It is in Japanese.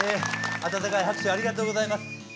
温かい拍手をありがとうございます。